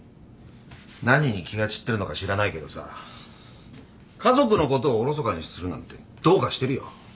何に気が散ってるのか知らないけどさ家族のことをおろそかにするなんてどうかしてるよ。